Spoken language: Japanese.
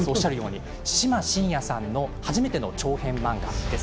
シマ・シンヤさんの初めての長編漫画です。